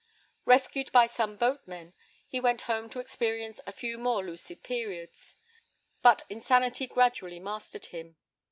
Rescued by some boatmen, he went home to experience a few more lucid periods, but insanity gradually mastered him.